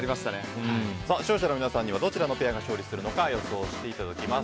視聴者の皆さんにはどちらのペアが勝利するのか予想していただきます。